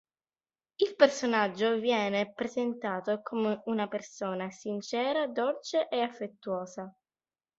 Il personaggio viene presentato come una persona sincera, dolce e affettuosa.